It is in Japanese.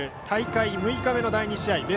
大会６日目の第２試合。